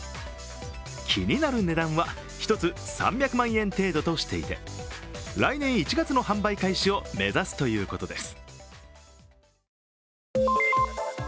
気になる値段は一つ３００万円程度としていて来年１月の販売開始を目指すということです。